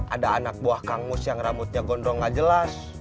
ada anak buah kangkus yang rambutnya gondrong enggak jelas